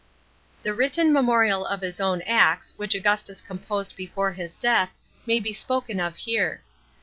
§ 14. The written memorial of his own acts which Augustus composed before his death may be spoken of here.